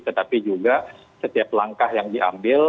tetapi juga setiap langkah yang diambil